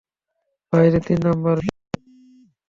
বাহিরে, তিন নাম্বার পিয়ারে।